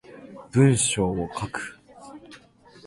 文章を書く